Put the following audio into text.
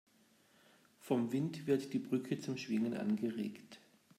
Vom Wind wird die Brücke zum Schwingen angeregt.